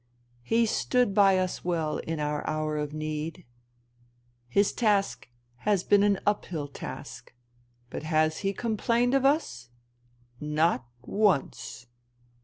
He stood by us well in our hour of need. His task has been an uphill task ; but has he com plained of us ? Not once.